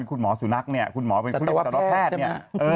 คุณหมอสุนัขเนี่ยคุณหมอไปคุยกับสารวแพทย์เนี่ย